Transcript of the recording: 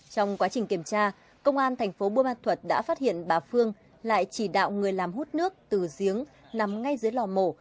trong quá trình kiểm tra công an thành phố buôn ma thuật đã phát hiện bà phương lại chỉ đạo người làm hút nước từ giếng nằm ngay dưới lò mổ